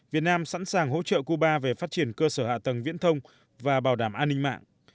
việt nam sẵn sàng hỗ trợ cuba về phát triển cơ sở hạ tầng viễn thông và bảo đảm an ninh mạng